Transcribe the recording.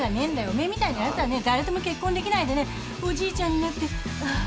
お前みてえなやつはね誰とも結婚できないでねおじいちゃんになってああー